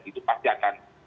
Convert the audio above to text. itu pasti akan